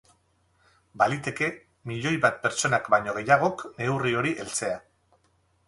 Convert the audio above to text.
Baliteke milioi bat pertsonak baino gehiagok neurri horri heltzea.